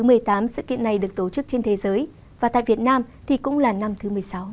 tại việt nam sự kiện này được tổ chức trên thế giới và tại việt nam thì cũng là năm thứ một mươi sáu